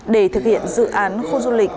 để thực hiện dự án khu du lịch